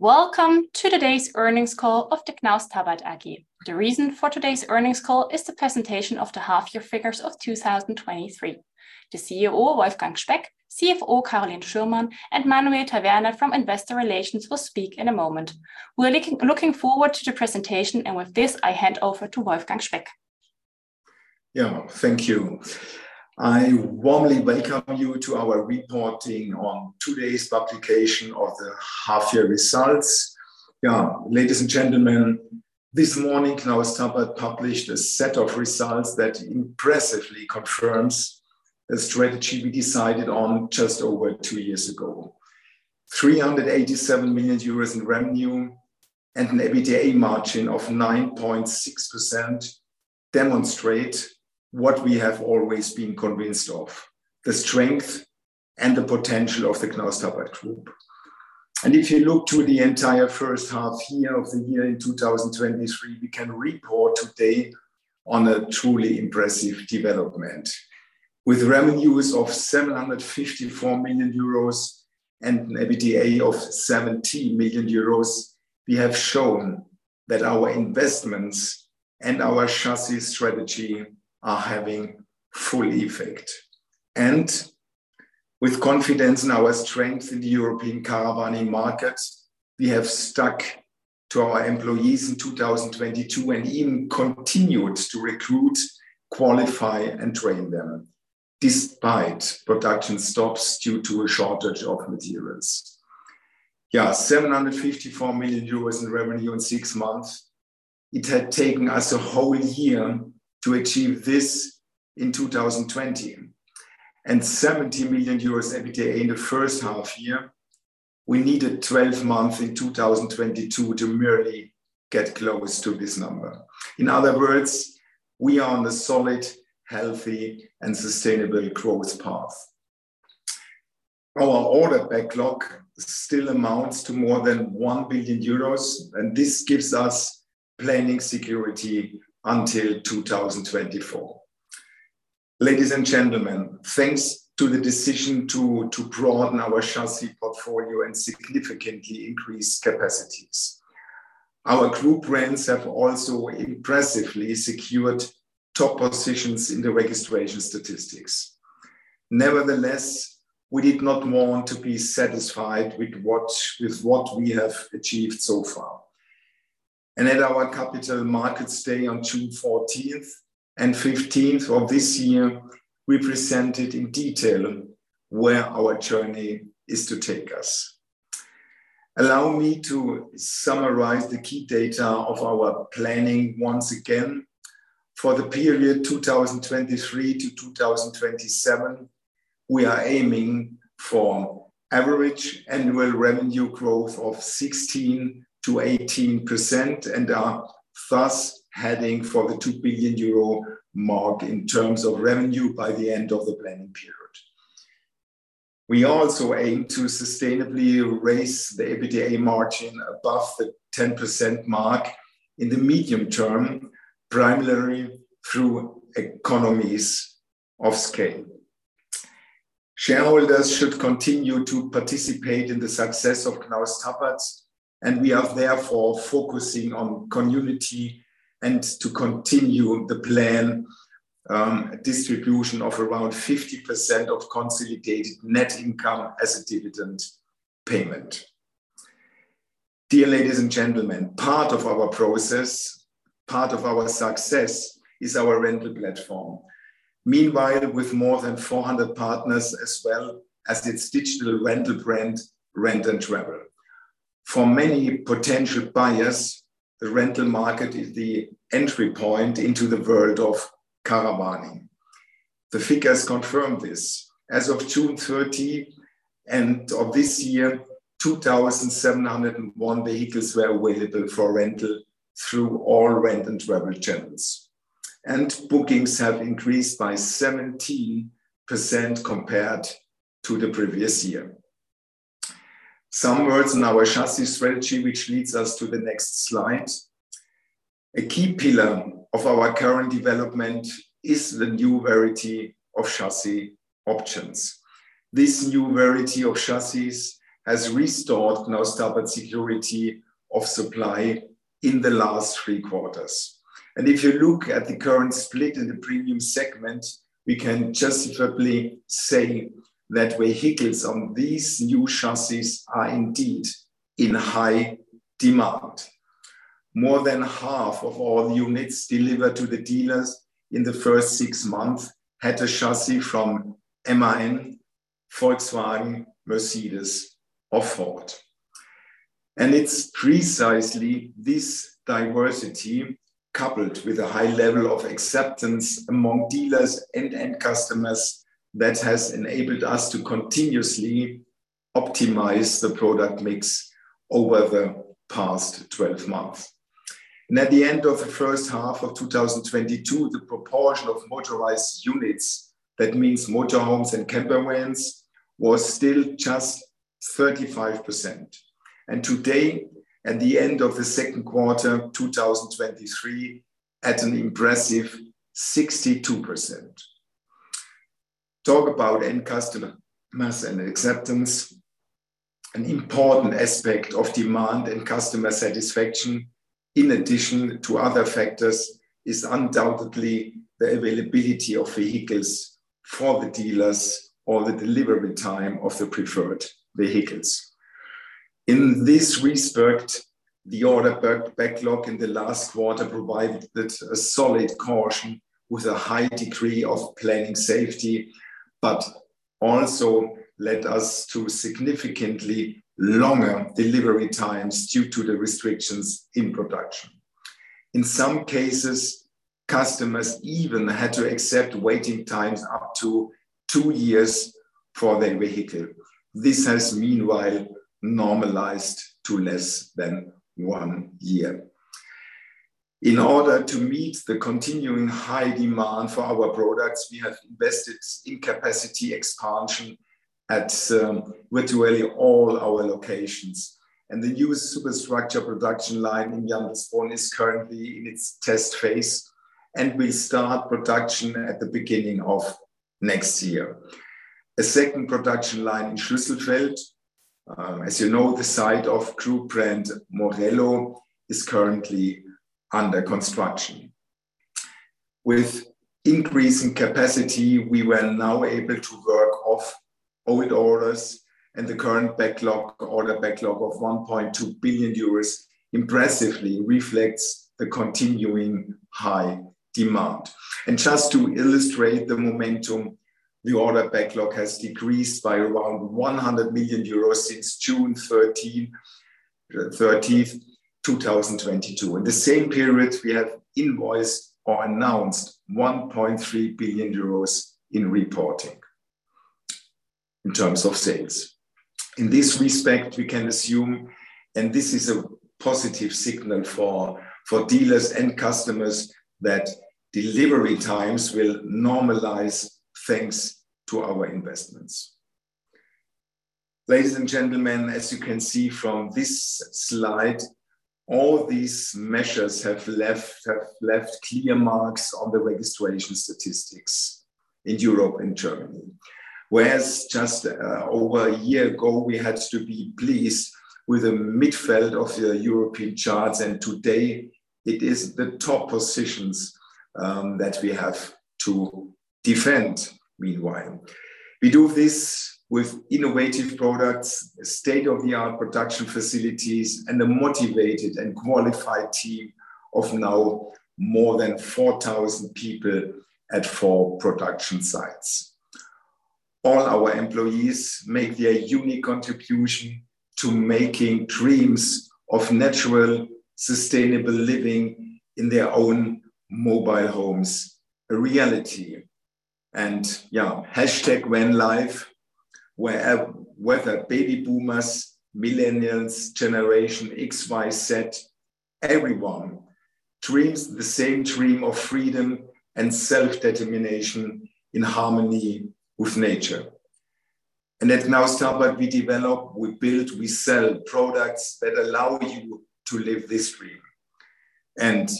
Welcome to today's earnings call of the Knaus Tabbert AG. The reason for Today's Earnings Call is the Presentation of the Half-year figures of 2023. The CEO Wolfgang Speck, CFO Carolin Schürmann, and Manuel Taverna from Investor Relations will speak in a moment. We're looking forward to the presentation, and with this, I hand over to Wolfgang Speck. Thank you. I warmly welcome you to our reporting on today's publication of the half-year results. Ladies and gentlemen, this morning, Knaus Tabbert published a set of results that impressively confirms the strategy we decided on just over two years ago. 387 million euros in revenue and an EBITDA margin of 9.6% demonstrate what we have always been convinced of: the strength and the potential of the Knaus Tabbert Group. If you look to the entire first half year of 2023, we can report today on a truly impressive development. With revenues of 754 million euros and an EBITDA of 70 million euros, we have shown that our investments and our chassis strategy are having full effect. With confidence in our strength in the European caravanning market, we have stuck to our employees in 2022, and even continued to recruit, qualify, and train them, despite production stops due to a shortage of materials. Yeah, 754 million euros in revenue in 6 months, it had taken us a whole year to achieve this in 2020. 70 million euros EBITDA in the first half-year, we needed 12 months in 2022 to merely get close to this number. In other words, we are on a solid, healthy, and sustainable growth path. Our order backlog still amounts to more than 1 billion euros, and this gives us planning security until 2024. Ladies and gentlemen, thanks to the decision to broaden our chassis portfolio and significantly increase capacities, our Group brands have also impressively secured top positions in the registration statistics. Nevertheless, we did not want to be satisfied with what we have achieved so far. At our Capital Markets Day on June 14th and 15th of this year, we presented in detail where our journey is to take us. Allow me to summarize the key data of our planning once again. For the period 2023 to 2027, we are aiming for average annual revenue growth of 16%-18%, and are thus heading for the 2 billion euro mark in terms of revenue by the end of the planning period. We also aim to sustainably raise the EBITDA margin above the 10% mark in the medium term, primarily through economies of scale. Shareholders should continue to participate in the success of Knaus Tabbert, and we are therefore focusing on community and to continue the plan, distribution of around 50% of consolidated net income as a dividend payment. Dear ladies and gentlemen, part of our process, part of our success, is our rental platform. Meanwhile, with more than 400 partners, as well as its digital rental brand, RENT AND TRAVEL. For many potential buyers, the rental market is the entry point into the world of caravanning. The figures confirm this. As of June 13 end of this year, 2,701 vehicles were available for rental through all RENT AND TRAVEL channels, and bookings have increased by 17% compared to the previous year. Some words on our chassis strategy, which leads us to the next slide. A key pillar of our current development is the new variety of chassis options. This new variety of chassis has restored Knaus Tabbert security of supply in the last 3 quarters. If you look at the current split in the premium segment, we can justifiably say that vehicles on these new chassis are indeed in high demand. More than half of all units delivered to the dealers in the first six months had a chassis from MAN, Volkswagen, Mercedes or Ford. It's precisely this diversity, coupled with a high level of acceptance among dealers and end customers, that has enabled us to continuously optimize the product mix over the past 12 months. At the end of the first half of 2022, the proportion of motorized units, that means motorhomes and camper vans, was still just 35%. Today, at the end of the second quarter, 2023, at an impressive 62%. Talk about end customer mass and acceptance. An important aspect of demand and customer satisfaction, in addition to other factors, is undoubtedly the availability of vehicles for the dealers or the delivery time of the preferred vehicles. In this respect, the order back-backlog in the last quarter provided a solid caution with a high degree of planning safety, but also led us to significantly longer delivery times due to the restrictions in production. In some cases, customers even had to accept waiting times up to 2 years for their vehicle. This has meanwhile normalized to less than 1 year. In order to meet the continuing high demand for our products, we have invested in capacity expansion at virtually all our locations, and the new superstructure production line in Jandelsbrunn is currently in its test phase, and will start production at the beginning of next year. A second production line in Schlüsselfeld, as you know, the site of group brand Morelo, is currently under construction. With increase in capacity, we were now able to work off old orders and the current backlog, order backlog of 1.2 billion euros impressively reflects the continuing high demand. Just to illustrate the momentum, the order backlog has decreased by around 100 million euros since June 13th, 2022. In the same period, we have invoiced or announced 1.3 billion euros in reporting in terms of sales. In this respect, we can assume, and this is a positive signal for, for dealers and customers, that delivery times will normalize, thanks to our investments. Ladies and gentlemen, as you can see from this slide, all these measures have left, have left clear marks on the registration statistics in Europe and Germany. Whereas just over a year ago, we had to be pleased with the midfield of the European charts, and today it is the top positions that we have to defend meanwhile. We do this with innovative products, state-of-the-art production facilities, and a motivated and qualified team of now more than 4,000 people at four production sites. All our employees make their unique contribution to making dreams of natural, sustainable living in their own mobile homes a reality. Yeah, hashtag van life, where, whether baby boomers, millennials, Generation X, Y, Z, everyone dreams the same dream of freedom and self-determination in harmony with nature. At Knaus Tabbert, we develop, we build, we sell products that allow you to live this dream.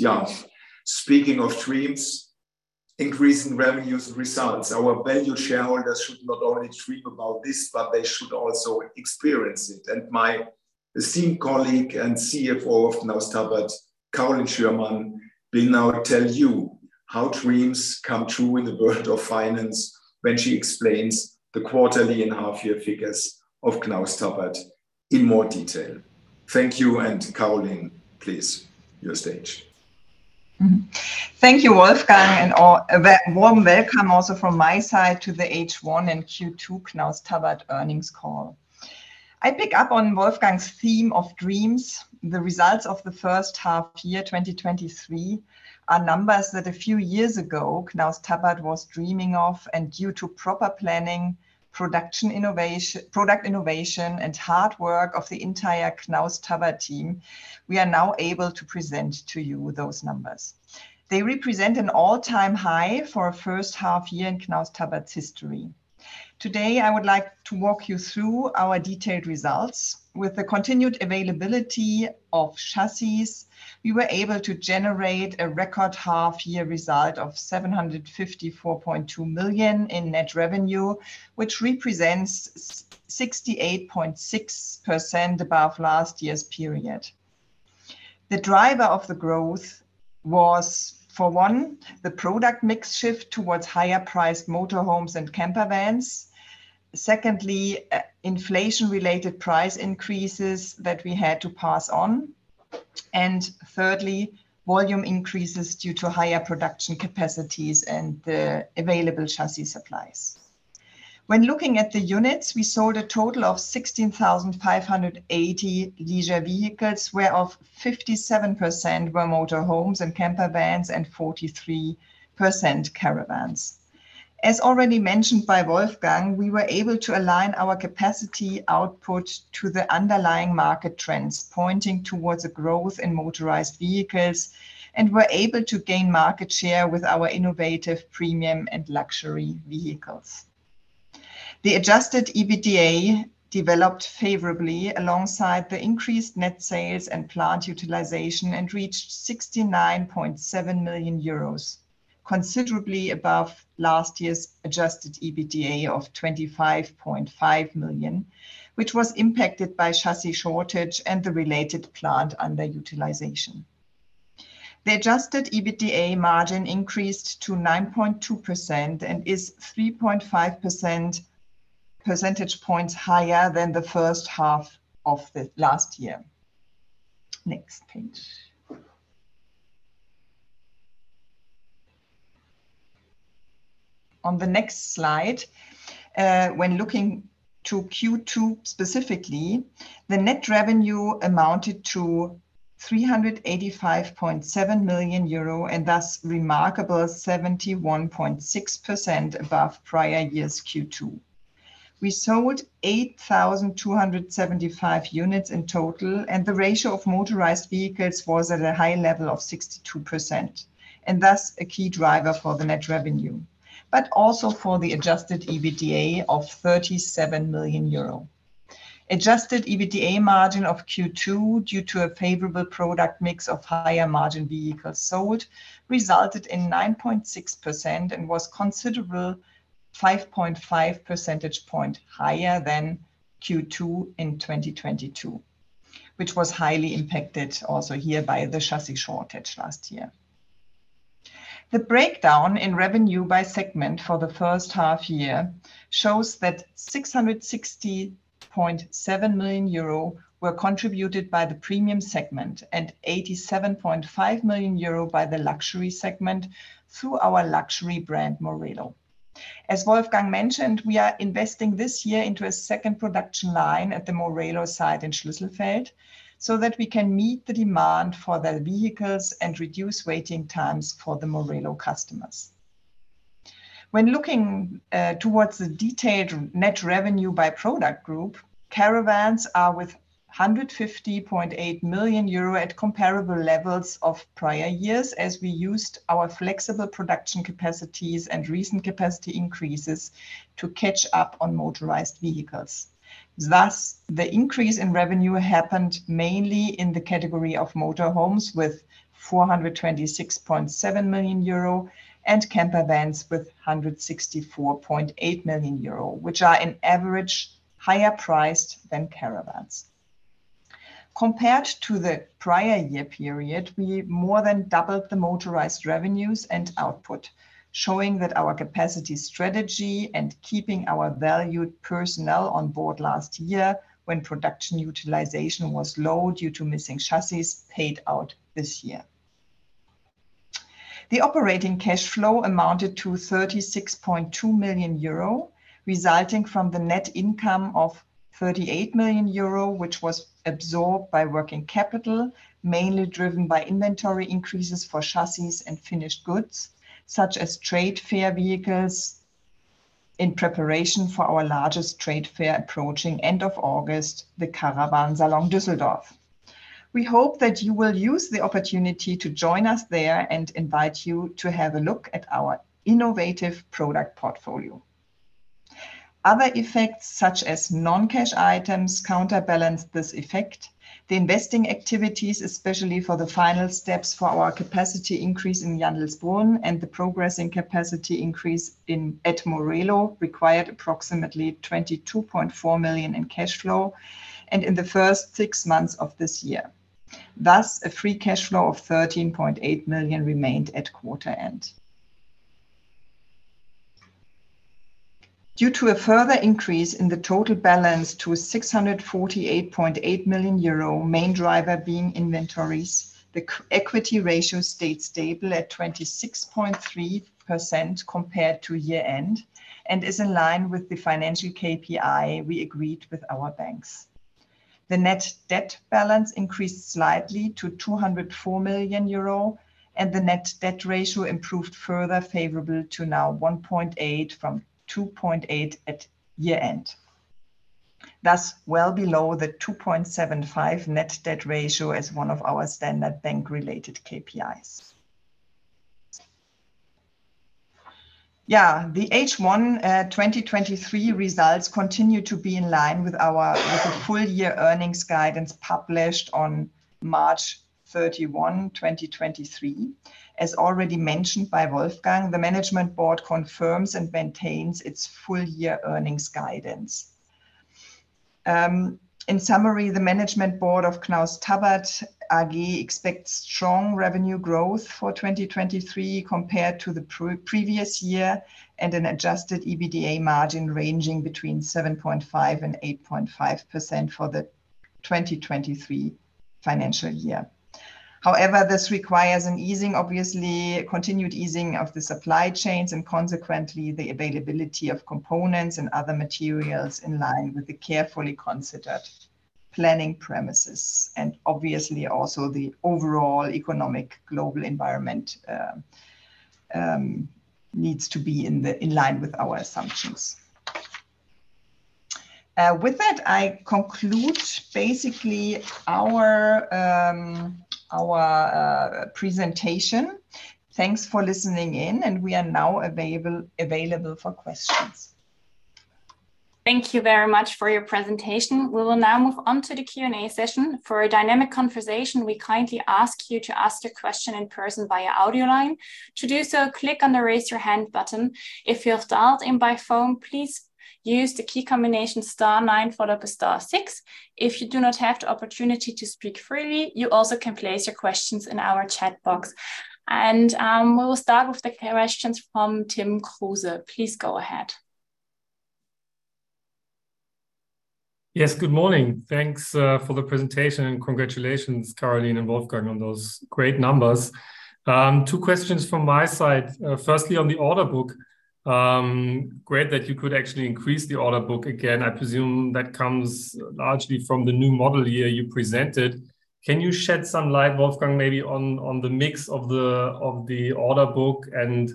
Yeah, speaking of dreams, increasing revenues and results, our valued shareholders should not only dream about this, but they should also experience it. My esteemed colleague and CFO of Knaus Tabbert, Carolin Schürmann, will now tell you how dreams come true in the world of finance when she explains the quarterly and half year figures of Knaus Tabbert in more detail. Thank you, Carolin, please, your stage. Thank you, Wolfgang, and a warm welcome also from my side to the H1 and Q2 Knaus Tabbert earnings call. I pick up on Wolfgang's theme of dreams. The results of the first half-year, 2023, are numbers that a few years ago, Knaus Tabbert was dreaming of, and due to proper planning, product innovation, and hard work of the entire Knaus Tabbert team, we are now able to present to you those numbers. They represent an all-time high for a first half-year in Knaus Tabbert's history. Today, I would like to walk you through our detailed results. With the continued availability of chassis, we were able to generate a record half-year result of 754.2 million in net revenue, which represents 68.6% above last year's period. The driver of the growth was, for one, the product mix shift towards higher priced motorhomes and camper vans. Secondly, inflation-related price increases that we had to pass on. Thirdly, volume increases due to higher production capacities and the available chassis supplies. When looking at the units, we sold a total of 16,580 leisure vehicles, whereof 57% were motorhomes and camper vans, and 43% caravans. As already mentioned by Wolfgang, we were able to align our capacity output to the underlying market trends, pointing towards a growth in motorized vehicles, and were able to gain market share with our innovative premium and luxury vehicles. The adjusted EBITDA developed favorably alongside the increased net sales and plant utilization, and reached 69.7 million euros, considerably above last year's adjusted EBITDA of 25.5 million, which was impacted by chassis shortage and the related plant underutilization. The adjusted EBITDA margin increased to 9.2% and is 3.5 percentage points higher than the first half of the last year. Next page. On the next slide, when looking to Q2 specifically, the net revenue amounted to 385.7 million euro, thus remarkable 71.6% above prior year's Q2. We sold 8,275 units in total. The ratio of motorized vehicles was at a high level of 62%, and thus a key driver for the net revenue, but also for the adjusted EBITDA of 37 million euro. Adjusted EBITDA margin of Q2, due to a favorable product mix of higher margin vehicles sold, resulted in 9.6% and was considerable 5.5 percentage point higher than Q2 in 2022, which was highly impacted also here by the chassis shortage last year. The breakdown in revenue by segment for the first half year shows that 660.7 million euro were contributed by the premium segment, and 87.5 million euro by the luxury segment through our luxury brand, Morelo. As Wolfgang mentioned, we are investing this year into a second production line at the Morelo site in Schlüsselfeld, so that we can meet the demand for the vehicles and reduce waiting times for the Morelo customers. When looking towards the detailed net revenue by product group, caravans are with 150.8 million euro at comparable levels of prior years, as we used our flexible production capacities and recent capacity increases to catch up on motorized vehicles. The increase in revenue happened mainly in the category of motorhomes, with 426.7 million euro, and campervans with 164.8 million euro, which are in average higher priced than caravans. Compared to the prior year period, we more than doubled the motorized revenues and output, showing that our capacity strategy and keeping our valued personnel on board last year when production utilization was low due to missing chassis, paid out this year. The operating cash flow amounted to 36.2 million euro, resulting from the net income of 38 million euro, which was absorbed by working capital, mainly driven by inventory increases for chassis and finished goods, such as trade fair vehicles, in preparation for our largest trade fair approaching end of August, the Caravan Salon Düsseldorf. We hope that you will use the opportunity to join us there, invite you to have a look at our innovative product portfolio. Other effects, such as non-cash items, counterbalance this effect. The investing activities, especially for the final steps for our capacity increase in Jandelsbrunn and the progress in capacity increase at Morelo, required approximately 22.4 million in cash flow in the first six months of this year. A free cash flow of 13.8 million remained at quarter end. Due to a further increase in the total balance to 648.8 million euro, main driver being inventories, the equity ratio stayed stable at 26.3% compared to year-end, and is in line with the financial KPI we agreed with our banks. The net debt balance increased slightly to 204 million euro, and the net debt ratio improved further favorable to now 1.8 from 2.8 at year-end. That's well below the 2.75 net debt ratio as one of our standard bank-related KPIs. The H1 2023 results continue to be in line with our, with the full year earnings guidance published on March 31, 2023. As already mentioned by Wolfgang, the management board confirms and maintains its full year earnings guidance. In summary, the management board of Knaus Tabbert AG expects strong revenue growth for 2023 compared to the pre-previous year, and an adjusted EBITDA margin ranging between 7.5% and 8.5% for the 2023 financial year. However, this requires an easing, obviously, continued easing of the supply chains, and consequently, the availability of components and other materials in line with the carefully considered planning premises. Obviously, also, the overall economic global environment needs to be in line with our assumptions. With that, I conclude basically our presentation. Thanks for listening in, and we are now available, available for questions. Thank you very much for your presentation. We will now move on to the Q&A session. For a dynamic conversation, we kindly ask you to ask your question in person via audio line. To do so, click on the Raise Your Hand button. If you have dialed in by phone, please use the key combination star nine followed by star six. If you do not have the opportunity to speak freely, you also can place your questions in our chat box. We will start with the questions from Tim Kruse. Please go ahead. Yes, good morning. Thanks for the presentation, and congratulations, Caroline and Wolfgang, on those great numbers. Two questions from my side. Firstly, on the order book, great that you could actually increase the order book again. I presume that comes largely from the new model year you presented. Can you shed some light, Wolfgang, maybe on, on the mix of the, of the order book, and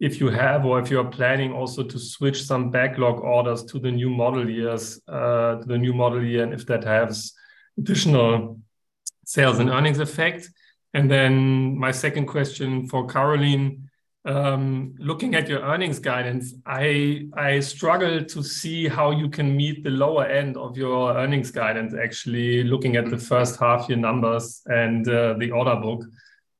if you have or if you are planning also to switch some backlog orders to the new model years, to the new model year, and if that has additional sales and earnings effect? Then my second question for Caroline, looking at your earnings guidance, I, I struggle to see how you can meet the lower end of your earnings guidance, actually, looking at the first half year numbers and the order book.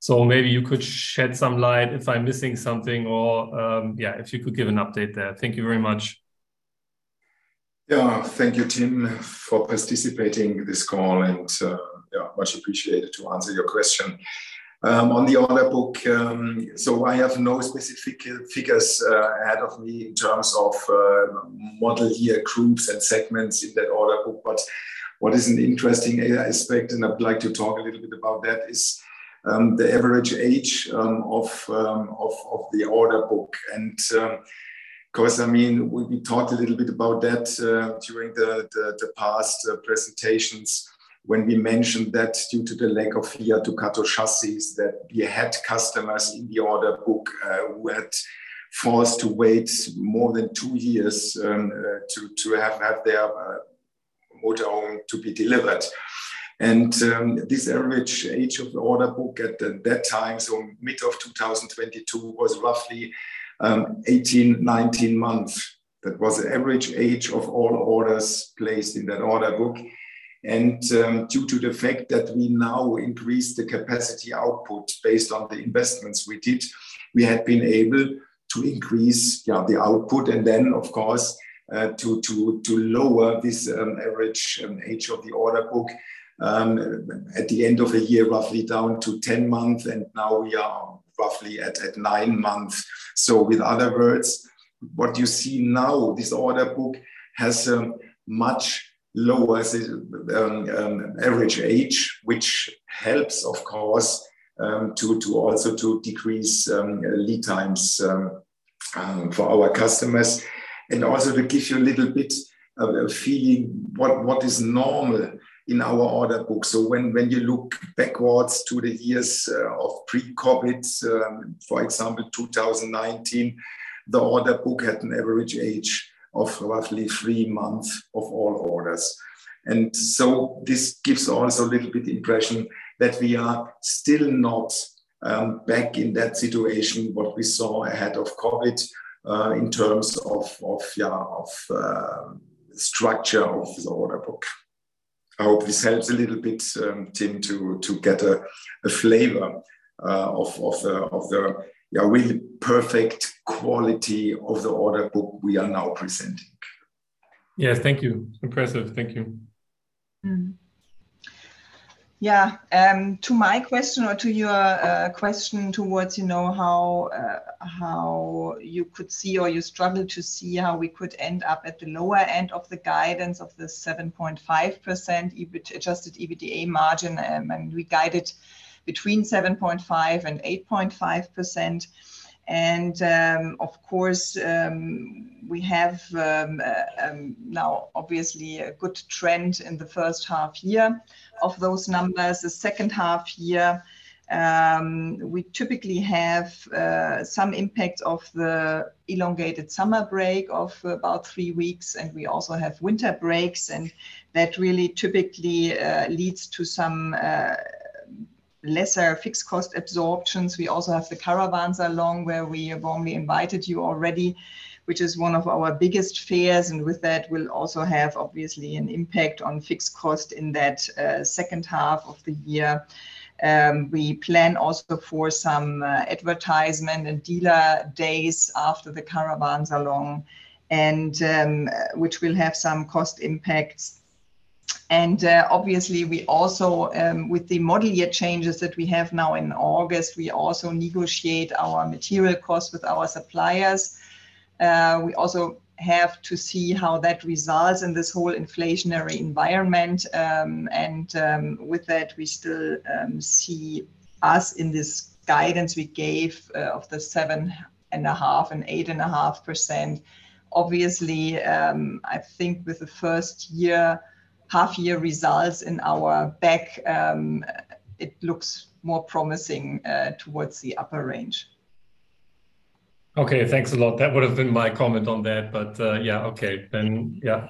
Maybe you could shed some light if I'm missing something or, yeah, if you could give an update there. Thank you very much. Yeah. Thank you, Tim, for participating this call, and yeah, much appreciated to answer your question. On the order book, I have no specific figures ahead of me in terms of model year groups and segments in that order book. What is an interesting aspect, and I'd like to talk a little bit about that, is the average age of the order book. Of course, I mean, we talked a little bit about that during the past presentations, when we mentioned that due to the lack of Fiat Ducato chassis, that we had customers in the order book who had forced to wait more than 2 years to have their motorhome to be delivered. This average age of the order book that time, so mid of 2022, was roughly 18, 19 months. That was the average age of all orders placed in that order book. Due to the fact that we now increase the capacity output based on the investments we did, we have been able to increase, yeah, the output and then, of course, to lower this average age of the order book at the end of the year, roughly down to 10 months, and now we are roughly at 9 months. In other words, what you see now, this order book has a much lower average age, which helps, of course, to also to decrease lead times for our customers. Also to give you a little bit of a feeling what what is normal in our order book. When, when you look backwards to the years of pre-COVID, for example, 2019, the order book had an average age of roughly three months of all orders. This gives us a little bit impression that we are still not back in that situation, what we saw ahead of COVID, in terms of, yeah, of structure of the order book. I hope this helps a little bit, Tim, to, to get a, a flavor of the, yeah, really perfect quality of the order book we are now presenting. Yes. Thank you. Impressive. Thank you. Mm-hmm. Yeah, to my question or to your question, towards you know, how how you could see or you struggle to see how we could end up at the lower end of the guidance of the 7.5% adjusted EBITDA margin. We guided between 7.5%-8.5%. Of course, we have now obviously a good trend in the first half year of those numbers. The second half year, we typically have some impact of the elongated summer break of about three weeks, and we also have winter breaks, and that really typically leads to some lesser fixed cost absorptions. We also have the Caravan Salon, where we have only invited you already, which is one of our biggest fears, and with that, will also have obviously an impact on fixed cost in that second half of the year. We plan also for some advertisement and dealer days after the Caravan Salon, and which will have some cost impacts. Obviously, we also, with the model year changes that we have now in August, we also negotiate our material costs with our suppliers. We also have to see how that results in this whole inflationary environment, and with that, we still see us in this guidance we gave of the 7.5% and 8.5%. Obviously, I think with the first year, half year results in our back, it looks more promising towards the upper range. Okay, thanks a lot. That would have been my comment on that, but, yeah, okay, then, yeah.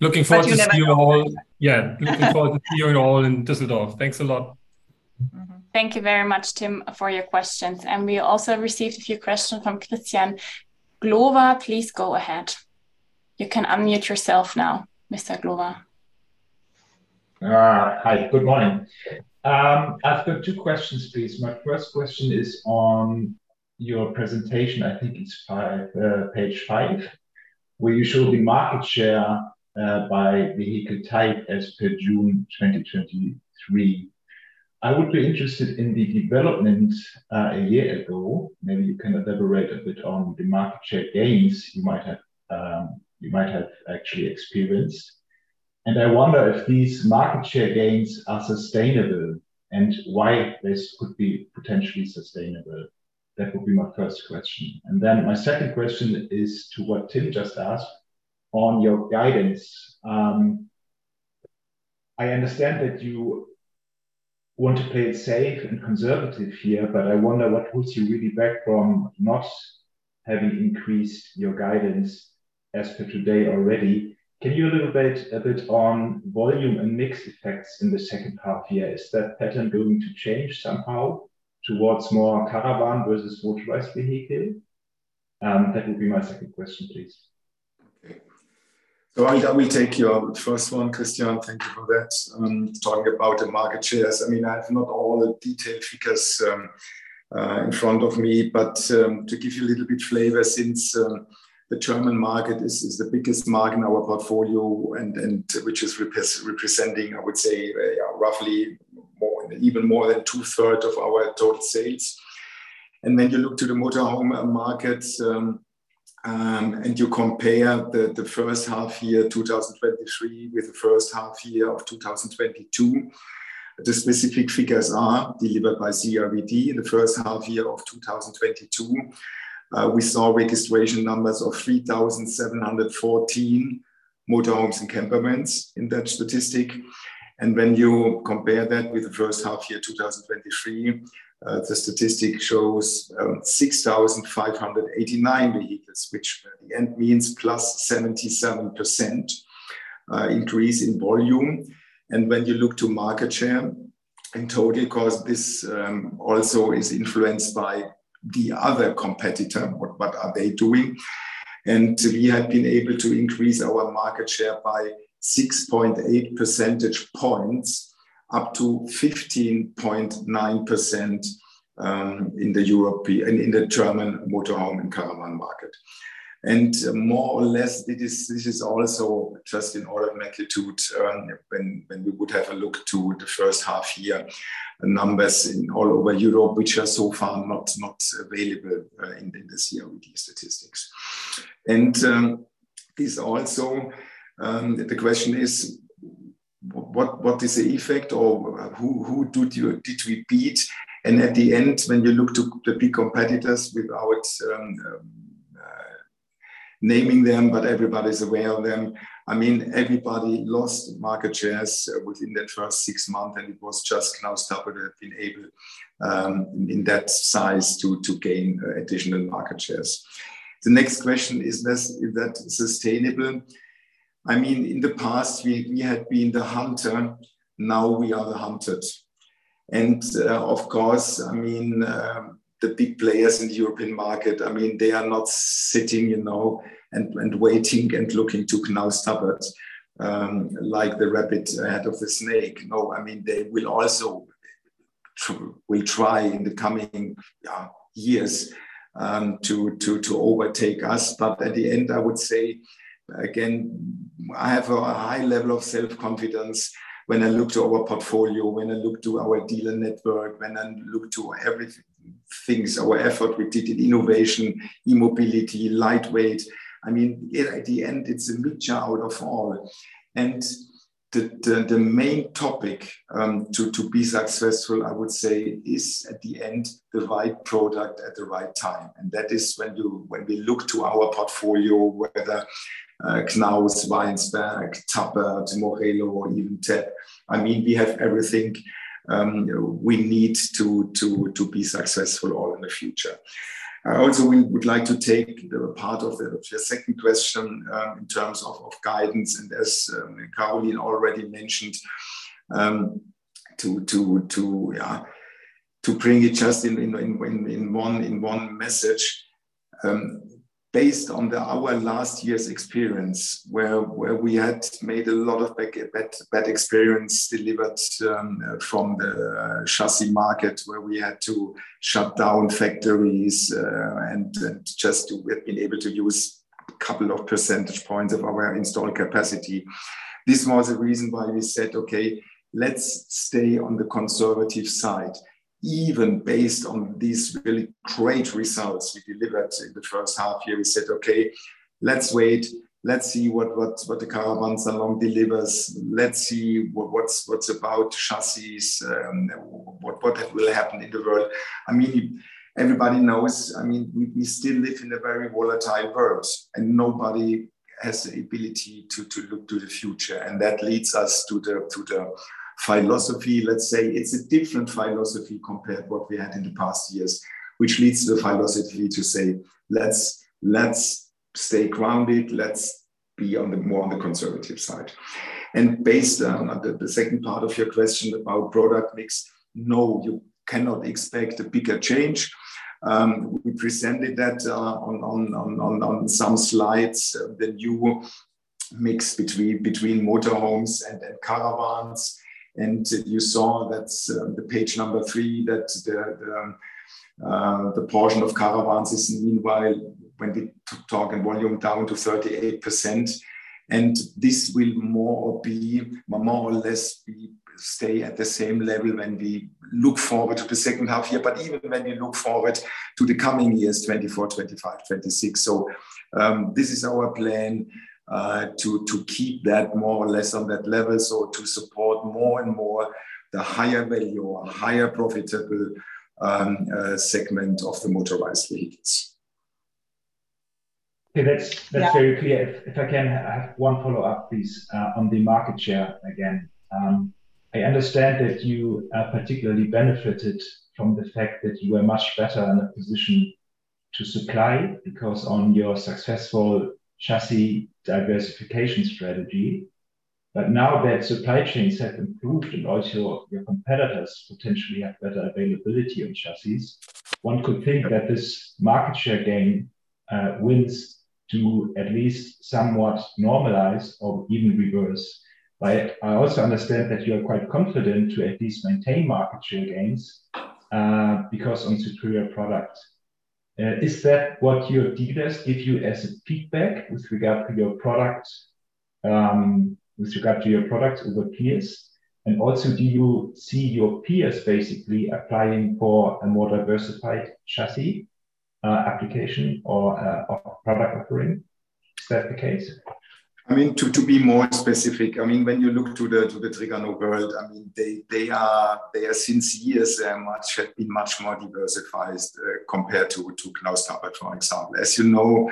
Looking forward to- you never- Yeah, looking forward to seeing you all in Düsseldorf. Thanks a lot. Mm-hmm. Thank you very much, Tim, for your questions, and we also received a few questions from Christian Gloor please go ahead. You can unmute yourself now, Mr. Gloor. Hi, good morning. I've got two questions, please. My first question is on your presentation. I think it's five, page 5, where you show the market share by vehicle type as per June 2023. I would be interested in the development a year ago. Maybe you can elaborate a bit on the market share gains you might have, you might have actually experienced. I wonder if these market share gains are sustainable, and why this could be potentially sustainable? That would be my first question. Then my second question is to what Tim just asked on your guidance. I understand that you want to play it safe and conservative here, but I wonder, what holds you really back from not having increased your guidance as per today already? Can you elaborate a bit on volume and mix effects in the second half year? Is that pattern going to change somehow towards more caravan versus motorized vehicle? That would be my second question, please. I, I will take your first one, Christian. Thank you for that. Talking about the market shares, I mean, I have not all the detailed figures in front of me, but to give you a little bit flavor, since the German market is the biggest market in our portfolio and which is representing, I would say, roughly more, even more than two-third of our total sales. You look to the motorhome market and you compare the first half year 2023 with the first half year of 2022. The specific figures are delivered by CIVD. In the first half year of 2022, we saw registration numbers of 3,714 motorhomes and campervans in that statistic When you compare that with the first half year 2023, the statistic shows 6,589 vehicles, which in the end means plus 77% increase in volume. When you look to market share in total, because this also is influenced by the other competitor, what, what are they doing? We have been able to increase our market share by 6.8 percentage points, up to 15.9% in the European... In the German motorhome and caravan market. More or less, this is also just in order of magnitude, when we would have a look to the first half year numbers in all over Europe, which are so far not, not available in the CIVD statistics. This also, the question is, what, what is the effect or who, who did we beat? At the end, when you look to the big competitors, without naming them, but everybody's aware of them, I mean, everybody lost market shares within the first six months, and it was just Knaus Tabbert have been able in that size to, to gain additional market shares. The next question, is this, is that sustainable? I mean, in the past, we, we had been the hunter, now we are the hunted. Of course, I mean, the big players in the European market, I mean, they are not sitting, you know, and, and waiting, and looking to Knaus Tabbert, like the rabbit ahead of the snake. No, I mean, they will also try in the coming years to overtake us. But at the end, I would say, again, I have a high level of self-confidence when I look to our portfolio, when I look to our dealer network, when I look to every things, our effort we did in innovation, e-mobility, lightweight. I mean, in at the end, it's a mixture out of all. The main topic to be successful, I would say, is at the end, the right product at the right time. That is when we look to our portfolio, whether Knaus, WEINSBERG, Tabbert, Morelo, or even T@B. I mean, we have everything we need to be successful all in the future. Also, we would like to take the part of the second question in terms of guidance. As Caroline already mentioned, to bring it just in one message. Based on our last year's experience, where we had made a lot of bad experience, delivered from the chassis market, where we had to shut down factories, and just we've been able to use a couple of percentage points of our installed capacity. This was the reason why we said, "Okay, let's stay on the conservative side," even based on these really great results we delivered in the first half year. We said, "Okay, let's wait. Let's see what the Caravan Salon delivers. Let's see what, what's, what's about chassis, what, what will happen in the world? I mean, everybody knows, I mean, we, we still live in a very volatile world, nobody has the ability to, to look to the future. That leads us to the, to the philosophy. Let's say it's a different philosophy compared what we had in the past years, which leads to the philosophy to say, "Let's, let's stay grounded. Be on the, more on the conservative side." Based on, on the, the second part of your question about product mix, no, you cannot expect a bigger change. We presented that on, on, on, on, on some slides, the new mix between, between motorhomes and, and caravans. You saw that's the page number three, that the portion of caravans is meanwhile, when we talk in volume, down to 38%. This will more be, more or less stay at the same level when we look forward to the second half year. Even when you look forward to the coming years, 2024, 2025, 2026. This is our plan to keep that more or less on that level. To support more and more the higher value or higher profitable segment of the motorized leads. Okay, that's-. Yeah... that's very clear. If, if I can, I have one follow-up, please, on the market share again. I understand that you particularly benefited from the fact that you were much better in a position to supply, because on your successful chassis diversification strategy. Now that supply chains have improved and also your competitors potentially have better availability on chassis, one could think that this market share gain wins to at least somewhat normalize or even reverse. I also understand that you are quite confident to at least maintain market share gains, because on superior product. Is that what your dealers give you as a feedback with regard to your product, with regard to your product over peers? Also, do you see your peers basically applying for a more diversified chassis application or or product offering? Is that the case? I mean, to, to be more specific, I mean, when you look to the, to the Trigano world, I mean, they, they are, they are since years, they are much, have been much more diversified, compared to, to Knaus Tabbert, for example. As you know,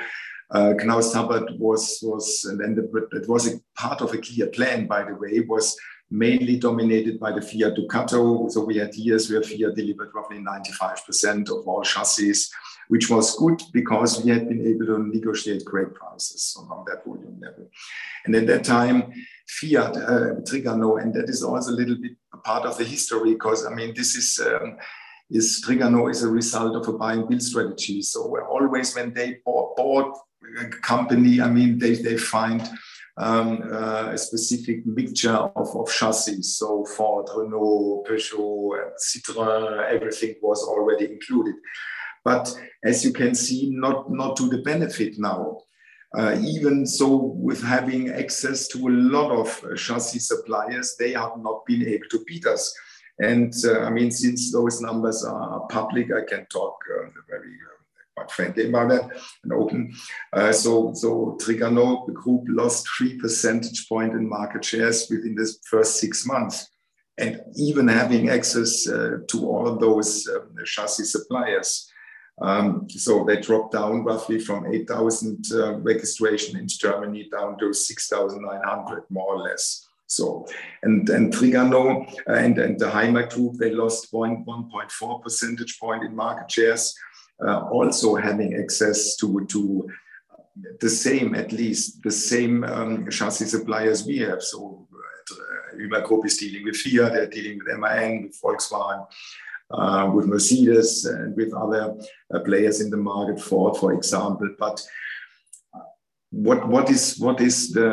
Knaus Tabbert was, was, and then but it was a part of a clear plan, by the way, was mainly dominated by the Fiat Ducato. So we had years where Fiat delivered roughly 95% of all chassis, which was good because we had been able to negotiate great prices on, on that volume level. And at that time, Fiat, Trigano, and that is also a little bit a part of the history, 'cause, I mean, this is, is Trigano is a result of a buy and build strategy. Where always when they bought, bought a company, I mean, they, they find a specific mixture of chassis. Ford, Renault, Peugeot and Citroën, everything was already included. As you can see, not, not to the benefit now. Even so, with having access to a lot of chassis suppliers, they have not been able to beat us. I mean, since those numbers are public, I can talk very quite frankly about that, and open. Trigano, the group lost 3 percentage point in market shares within this first six months, and even having access to all of those chassis suppliers. They dropped down roughly from 8,000 registration in Germany, down to 6,900, more or less. And Trigano, and, and the Hymer Group, they lost 1.4 percentage point in market shares, also having access to, to the same, at least the same, chassis suppliers we have. Hymer Group is dealing with Fiat, they're dealing with MAN, with Volkswagen, with Mercedes, and with other players in the market, Ford, for example. What, what is, what is the...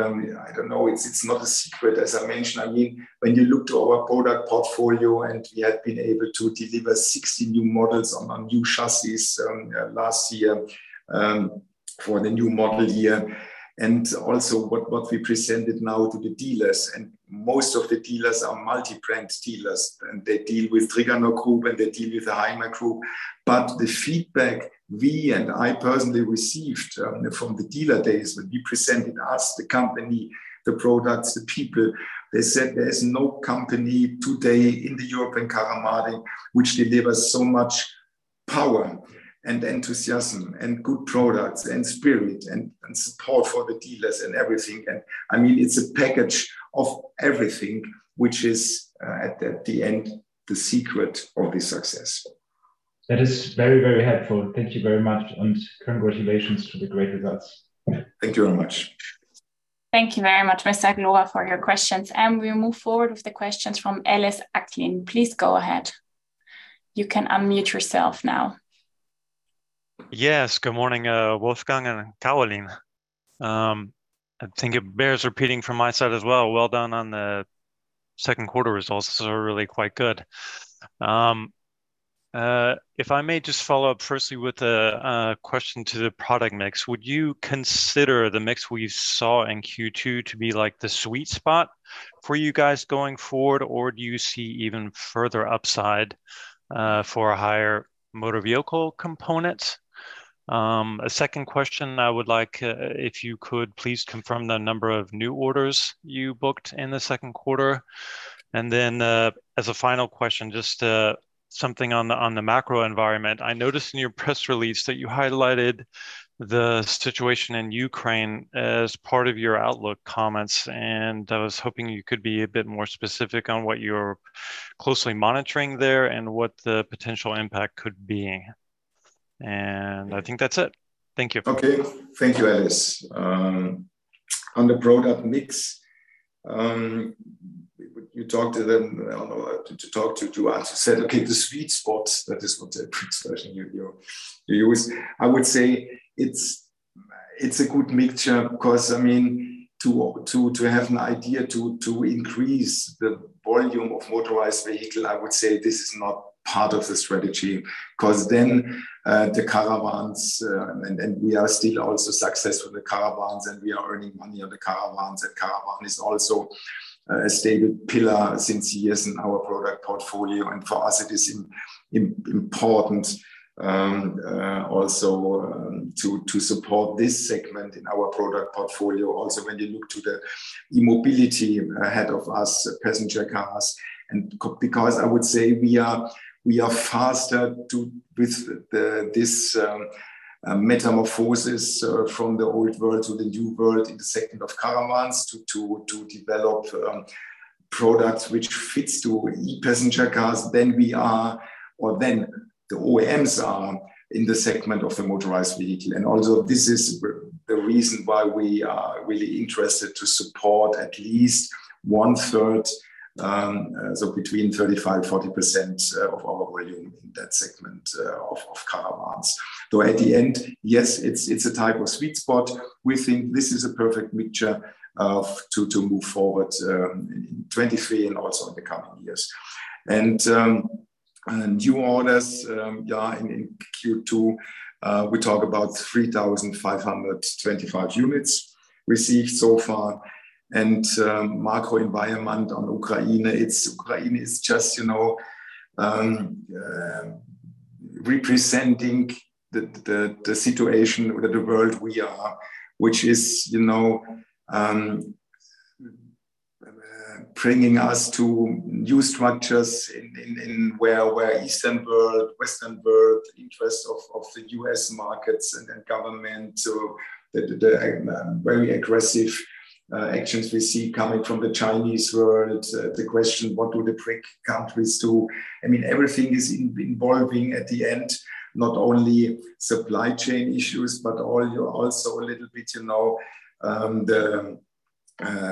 I don't know, it's, it's not a secret. As I mentioned, I mean, when you look to our product portfolio, and we had been able to deliver 60 new models on, on new chassis, last year, for the new model year. Also what, what we presented now to the dealers, and most of the dealers are multi-brand dealers, and they deal with Trigano Group, and they deal with the Hymer Group. The feedback we and I personally received from the dealer days, when we presented us, the company, the products, the people, they said there is no company today in the European caravan market which delivers so much power and enthusiasm, and good products, and spirit, and, and support for the dealers and everything. I mean, it's a package of everything, which is at the end, the secret of the success. That is very, very helpful. Thank you very much. Congratulations to the great results. Thank you very much. Thank you very much, Mr. Gloor, for your questions. We move forward with the questions from Ellis Acklin. Please go ahead. You can unmute yourself now. Yes. Good morning, Wolfgang and Carolin. I think it bears repeating from my side as well, well done on the second quarter results. Those are really quite good. If I may just follow up firstly with a question to the product mix. Would you consider the mix we saw in Q2 to be, like, the sweet spot for you guys going forward, or do you see even further upside for a higher motor vehicle component? A second question I would like, if you could please confirm the number of new orders you booked in the second quarter. And then, as a final question, just something on the macro environment. I noticed in your press release that you highlighted the situation in Ukraine as part of your outlook comments, and I was hoping you could be a bit more specific on what you're closely monitoring there and what the potential impact could be. I think that's it. Thank you. Okay, thank you, Alice. On the product mix, you talked to them, I don't know, to talk to us, you said, okay, the sweet spots, that is what the expression you use. I would say it's a good mixture, because, I mean, to have an idea to increase the volume of motorized vehicle, I would say this is not part of the strategy. Then, the caravans, and we are still also successful with the caravans, and we are earning money on the caravans, and caravan is also a stable pillar since years in our product portfolio. For us, it is important, also, to support this segment in our product portfolio. When you look to the e-mobility ahead of us, passenger cars, and co- because I would say we are, we are faster with the, this, metamorphosis from the old world to the new world in the segment of caravans, to, to, to develop products which fits to e-passenger cars than we are, or than the OEMs are in the segment of the motorized vehicle. Also, this is the reason why we are really interested to support at least 1/3, so between 35%-40% of our volume in that segment of, of caravans. At the end, yes, it's, it's a type of sweet spot. We think this is a perfect mixture to, to move forward in, in 2023 and also in the coming years. New orders in Q2, we talk about 3,525 units received so far. Macro environment on Ukraine. Ukraine is just, you know, representing the situation or the world we are, which is, you know, bringing us to new structures in where Eastern world, Western world, interest of the U.S. markets and government. The very aggressive actions we see coming from the Chinese world. The question: What do the BRIC countries do? I mean, everything is involving at the end, not only supply chain issues, but also a little bit, you know, the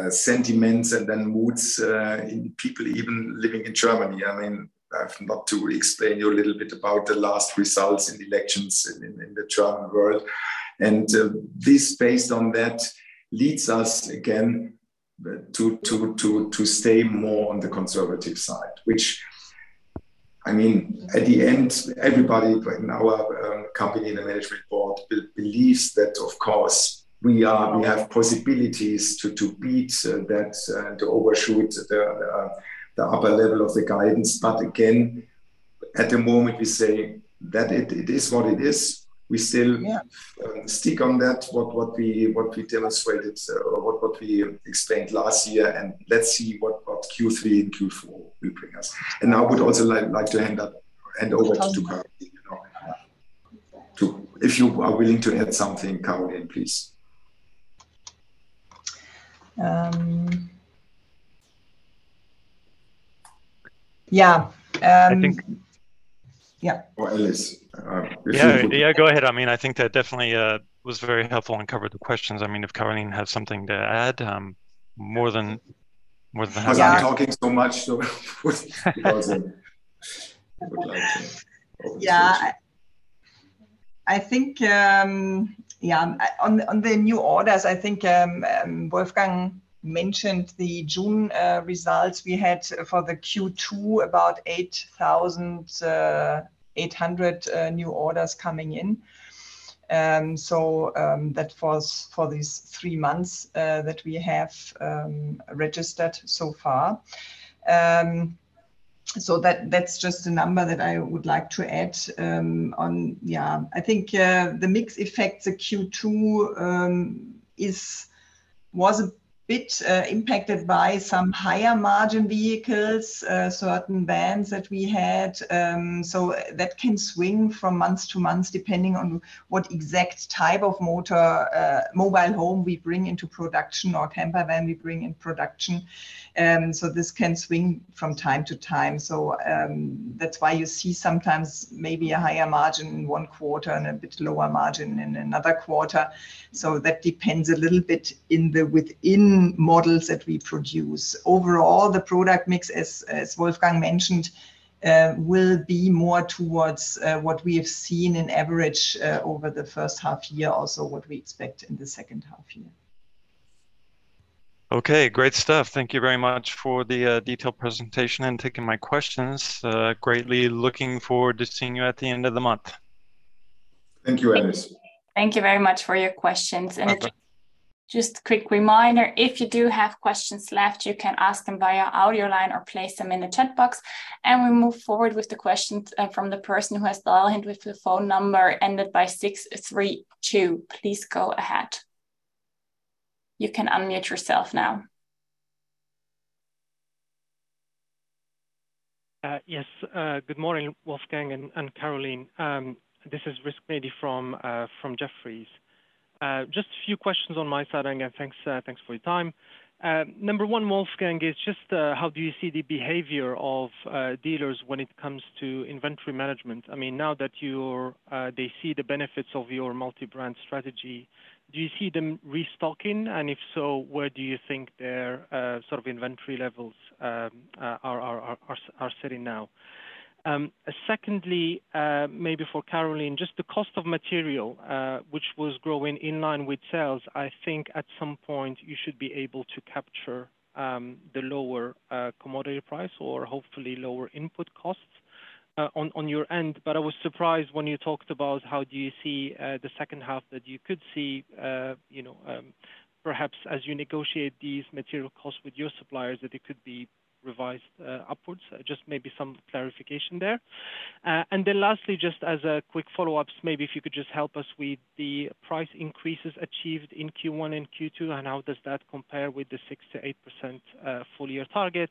sentiments and then moods in people even living in Germany. I mean, I've not to explain you a little bit about the last results in elections in, in, in the German world. This, based on that, leads us, again, to, to, to, to stay more on the conservative side, which, I mean, at the end, everybody in our company, in the management board, believes that, of course, we have possibilities to, to beat that to overshoot the, the upper level of the guidance. Again, at the moment, we say that it, it is what it is. We still- Yeah... stick on that, what, what we, what we demonstrated, or what, what we explained last year, let's see what, what Q3 and Q4 will bring us. I would also like, like to hand up, hand over to Caroline, you know, to... If you are willing to add something, Caroline, please. Yeah. I think- Yeah. Well, Alice, if you-. Yeah. Yeah, go ahead. I mean, I think that definitely, was very helpful and covered the questions. I mean, if Caroline has something to add, more than, more than happy- Because I'm talking so much, so because, I would like to- Yeah. I think, yeah, on the, on the new orders, I think, Wolfgang mentioned the June results we had for the Q2, about 8,800 new orders coming in. That was for these three months that we have registered so far. That, that's just a number that I would like to add on. Yeah, I think, the mix effects of Q2 was a bit impacted by some higher margin vehicles, certain vans that we had. That can swing from month to month, depending on what exact type of motor mobile home we bring into production or camper van we bring in production. This can swing from time to time. That's why you see sometimes maybe a higher margin in one quarter and a bit lower margin in another quarter. That depends a little bit in the within models that we produce. Overall, the product mix, as Wolfgang mentioned, will be more towards what we have seen in average over the 1st half year, also what we expect in the 2nd half year. Okay, great stuff. Thank you very much for the detailed presentation and taking my questions. Greatly looking forward to seeing you at the end of the month. Thank you, Alice. Thank you very much for your questions. Welcome. Just, just a quick reminder, if you do have questions left, you can ask them via audio line or place them in the chat box, and we move forward with the questions from the person who has dialed in with the phone number ended by 632. Please go ahead. You can unmute yourself now. Yes. Good morning, Wolfgang and Caroline. This is Rizk Maidi from Jefferies. Just a few questions on my side. Again, thanks for your time. Number 1, Wolfgang, is just, how do you see the behavior of dealers when it comes to inventory management? I mean, now that you're, they see the benefits of your multi-brand strategy, do you see them restocking? If so, where do you think their, sort of inventory levels are, are, are, are sitting now? Secondly, maybe for Caroline, just the cost of material, which was growing in line with sales. I think at some point you should be able to capture, the lower, commodity price or hopefully lower input costs on, on your end. I was surprised when you talked about how do you see the second half, that you could see, you know, perhaps as you negotiate these material costs with your suppliers, that it could be revised upwards. Just maybe some clarification there. Then lastly, just as a quick follow-ups, maybe if you could just help us with the price increases achieved in Q1 and Q2, and how does that compare with the 6%-8% full-year target?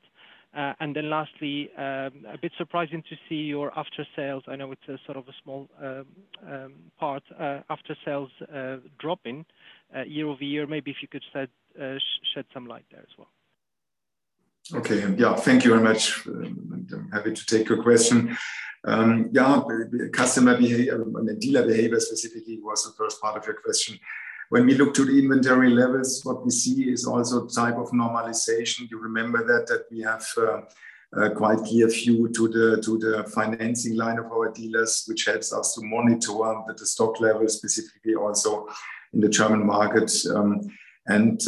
Then lastly, a bit surprising to see your after-sales. I know it's a sort of a small part, after sales, dropping year-over-year. Maybe if you could shed some light there as well. Okay. Yeah, thank you very much. I'm happy to take your question. Yeah, customer behavior, I mean, dealer behavior specifically, was the first part of your question. When we look to the inventory levels, what we see is also type of normalization. You remember that, that we have quite clear view to the, to the financing line of our dealers, which helps us to monitor the, the stock levels, specifically also in the German market. And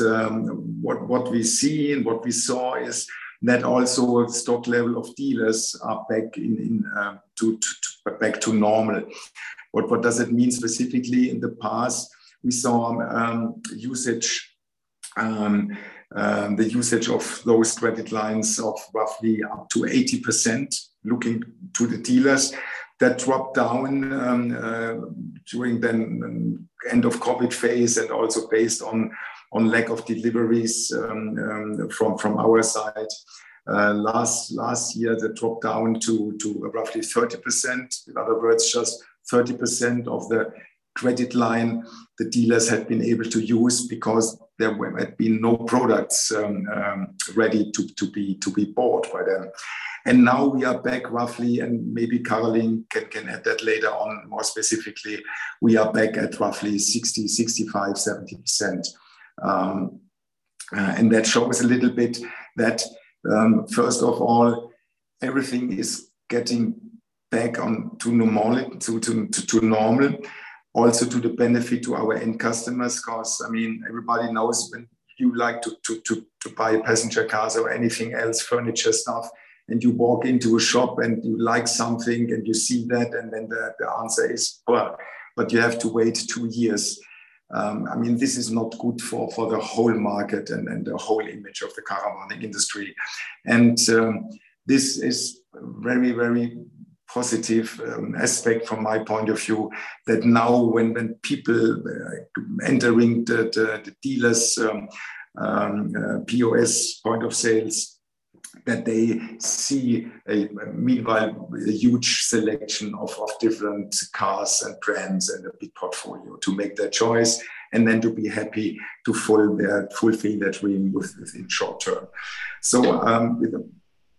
what we see and what we saw is that also stock level of dealers are back to normal. What does it mean specifically? In the past, we saw usage, the usage of those credit lines of roughly up to 80%, looking to the dealers. That dropped down, during the end of COVID phase and also based on, on lack of deliveries, from our side. Last year, that dropped down to roughly 30%. In other words, just 30% of the credit line the dealers had been able to use because there had been no products, ready to be bought by them. Now we are back roughly, and maybe Caroline can add that later on more specifically, we are back at roughly 60%, 65%, 70%. And that shows a little bit that, first of all, everything is getting back on to normal, to normal. Also, to the benefit to our end customers, 'cause, I mean, everybody knows when you like to, to, to, to buy passenger cars or anything else, furniture, stuff, and you walk into a shop and you like something, and you see that, and then the, the answer is, "Well, but you have to wait two years." I mean, this is not good for, for the whole market and, and the whole image of the caravan industry. This is very, very positive aspect from my point of view, that now when, when people entering the, the, the dealers', POS, point of sales, that they see a meanwhile, a huge selection of, of different cars and brands and a big portfolio to make their choice, and then to be happy to fulfill that, fulfill that dream in short term.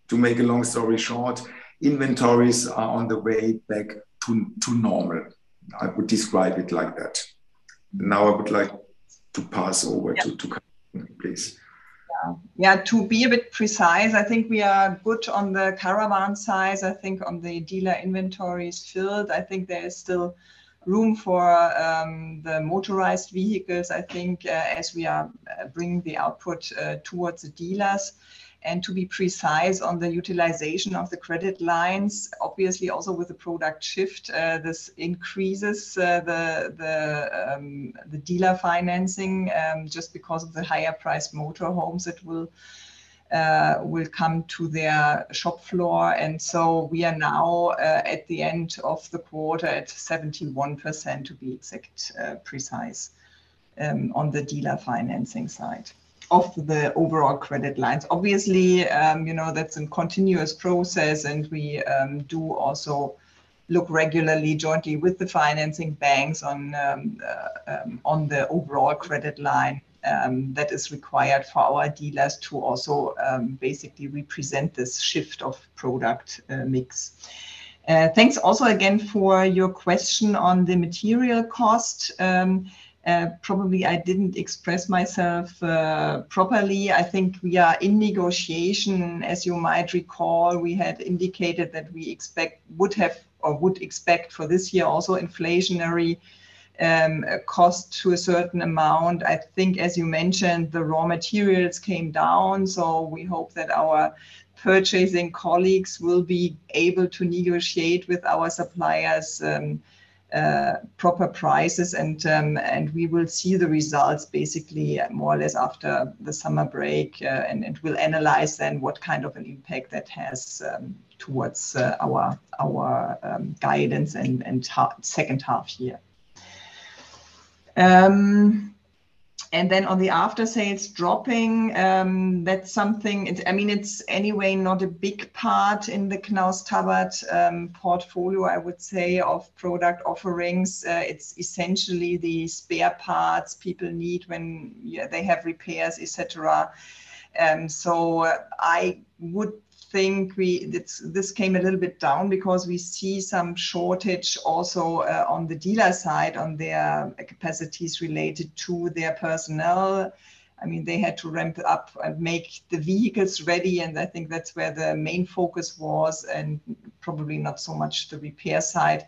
To make a long story short, inventories are on the way back to, to normal. I would describe it like that. Now, I would like to pass over- Yeah. To, to Caroline, please. Yeah. Yeah, to be a bit precise, I think we are good on the caravan side. I think on the dealer inventories field, I think there is still room for the motorized vehicles, I think, as we are bringing the output towards the dealers. To be precise on the utilization of the credit lines, obviously also with the product shift, this increases the, the, the dealer financing, just because of the higher priced motor homes that will come to their shop floor. We are now at the end of the quarter, at 71%, to be exact, precise, on the dealer financing side of the overall credit lines. Obviously, you know, that's a continuous process, and we do also look regularly, jointly with the financing banks on the overall credit line that is required for our dealers to also basically represent this shift of product mix. Thanks also again for your question on the material cost. Probably I didn't express myself properly. I think we are in negotiation. As you might recall, we had indicated that we would have or would expect for this year also inflationary cost to a certain amount. I think, as you mentioned, the raw materials came down, so we hope that our purchasing colleagues will be able to negotiate with our suppliers proper prices. We will see the results basically more or less after the summer break, and we'll analyze then what kind of an impact that has towards our guidance and second half year. Then on the after sales dropping, that's something, I mean, it's anyway, not a big part in the Knaus Tabbert portfolio, I would say, of product offerings. It's essentially the spare parts people need when, yeah, they have repairs, et cetera. I would think we, it's, this came a little bit down because we see some shortage also on the dealer side, on their capacities related to their personnel. I mean, they had to ramp up and make the vehicles ready, and I think that's where the main focus was, and probably not so much the repair side.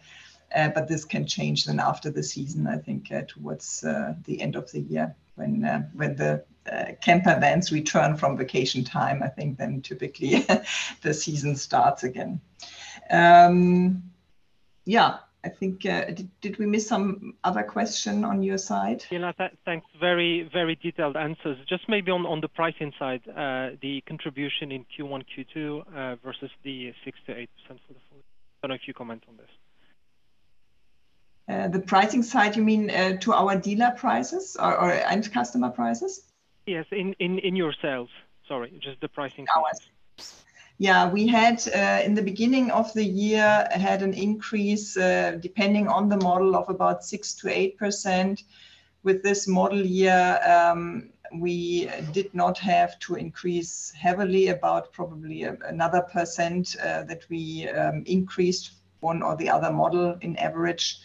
This can change then after the season, I think, towards the end of the year when when the camper vans return from vacation time, I think then typically the season starts again. Yeah, I think. Did, did we miss some other question on your side? Yeah, thanks. Very, very detailed answers. Just maybe on, on the pricing side, the contribution in Q1, Q2, versus the 6%-8% for the Q4. I don't know if you comment on this? The pricing side, you mean, to our dealer prices or, or, and customer prices? Yes, in your sales. Sorry, just the pricing side. Yeah, we had in the beginning of the year, had an increase, depending on the model, of about 6% to 8%. With this model year, we did not have to increase heavily, about probably another percent that we increased one or the other model in average.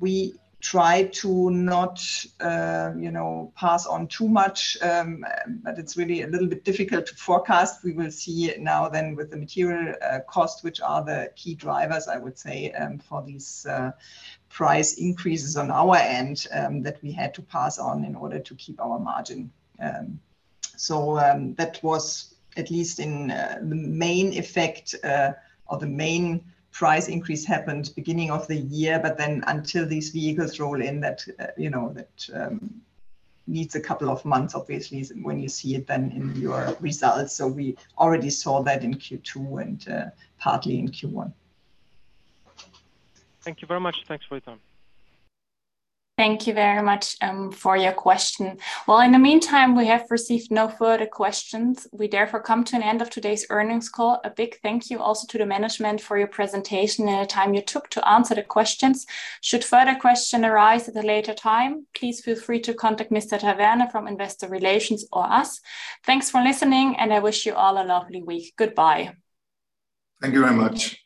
We tried to not, you know, pass on too much, but it's really a little bit difficult to forecast. We will see now then with the material cost, which are the key drivers, I would say, for these price increases on our end that we had to pass on in order to keep our margin. That was at least in the main effect, or the main price increase happened beginning of the year, but then until these vehicles roll in, that, you know, that needs a couple of months, obviously, when you see it then in your results. We already saw that in Q2 and partly in Q1. Thank you very much. Thanks for your time. Thank you very much for your question. Well, in the meantime, we have received no further questions. We therefore come to an end of today's earnings call. A big thank you also to the management for your presentation and the time you took to answer the questions. Should further question arise at a later time, please feel free to contact Mr. Taverne from Investor Relations or us. Thanks for listening, and I wish you all a lovely week. Goodbye. Thank you very much.